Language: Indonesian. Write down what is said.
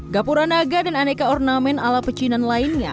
gapura naga dan aneka ornamen ala pecinan lainnya